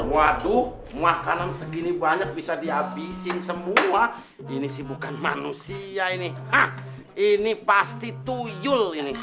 waduh makanan segini banyak bisa dihabisin semua ini sih bukan manusia ini ah ini ini pasti tuyul ini